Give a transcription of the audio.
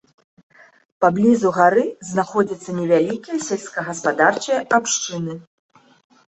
Паблізу гары знаходзяцца невялікія сельскагаспадарчыя абшчыны.